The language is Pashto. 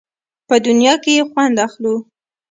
په دنیا کې یې خوند اخلو.